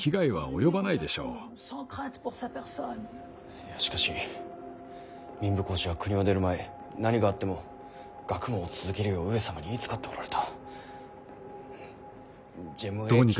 いやしかし民部公子は国を出る前何があっても学問を続けるよう上様に言いつかっておられた。